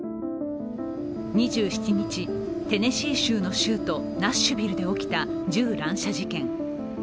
２７日、テネシー州の首都ナッシュビルで起きた銃乱射事件。